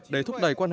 để thúc đẩy quan hệ